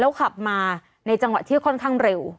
ขับมาในจังหวะที่ค่อนข้างเร็ว